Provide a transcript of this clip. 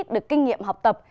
được kinh nghiệm học tập